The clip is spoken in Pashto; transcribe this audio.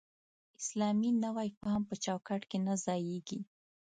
اسلامي نوی فهم په چوکاټ کې نه ځایېږي.